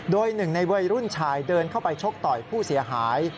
โดยหนึ่งในวัยรุ่นชายเดินเข้าไปชกต่อยผู้เสียหาย